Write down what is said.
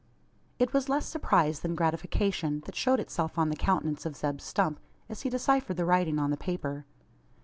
It was less surprise, than gratification, that showed itself on the countenance of Zeb Stump, as he deciphered the writing on the paper.